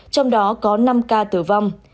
trong đó có năm ca tử vong